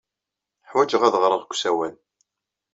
Ḥwajeɣ ad ɣreɣ deg usawal.